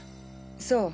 そう。